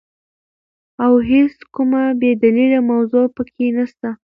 او هيڅ کومه بي دليله موضوع په کي نسته،